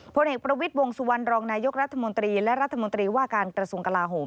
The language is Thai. ผลเอกประวิทย์วงสุวรรณรองนายกรัฐมนตรีและรัฐมนตรีว่าการกระทรวงกลาโหม